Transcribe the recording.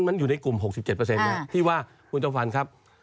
มันอยู่ในกลุ่ม๖๗ที่ว่าคุณจอมฝันครับ